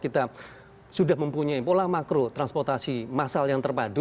kita sudah mempunyai pola makro transportasi masal yang terpadu